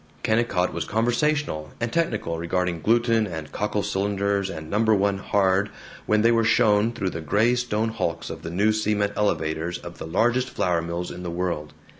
Kennicott was conversational and technical regarding gluten and cockle cylinders and No. I Hard, when they were shown through the gray stone hulks and new cement elevators of the largest flour mills in the world.